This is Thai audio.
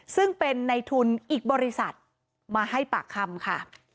ซึ่งเป็นในทุนอีกบริษัทมาให้ปากคำค่ะ